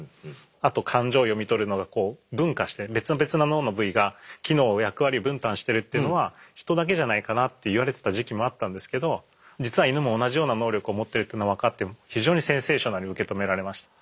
あと感情を読み取るのが分化して別々な脳の部位が機能を役割分担してるっていうのはヒトだけじゃないかなって言われてた時期もあったんですけど実はイヌも同じような能力を持ってるというのが分かって非常にセンセーショナルに受け止められました。